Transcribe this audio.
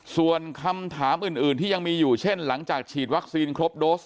ส่วนคำถามอื่นที่ยังมีอยู่เช่นหลังจากฉีดวัคซีนครบโดส